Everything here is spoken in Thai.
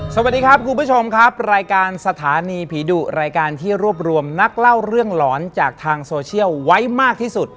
สวัสดีครับคุณผู้ชมครับรายการสถานีผีดุรายการที่รวบรวมนักเล่าเรื่องหลอนจากทางโซเชียลไว้มากที่สุด